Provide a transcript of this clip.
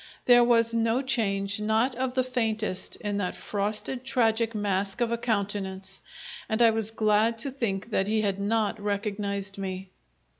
There was no change, not of the faintest, in that frosted tragic mask of a countenance, and I was glad to think that he had not recognized me.